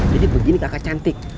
jadi begini kakak cantik